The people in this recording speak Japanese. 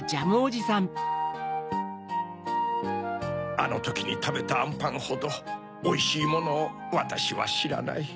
あのときにたべたあんパンほどおいしいものをわたしはしらない。